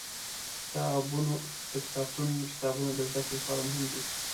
د کتابتون کتابونه د زده کړې لپاره مهم دي.